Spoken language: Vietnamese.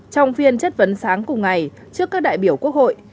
trong phiên chất vấn sáng cùng ngày trước các đại biểu quốc hội